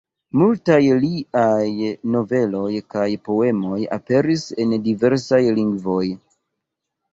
Multaj liaj noveloj kaj poemoj aperis en diversaj lingvoj.